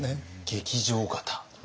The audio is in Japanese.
劇場型。